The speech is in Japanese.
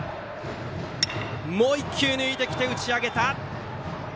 もう１球抜いてきて打ち上げた。